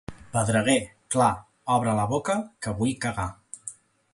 Pedreguer, clar, obre la boca, que vull cagar.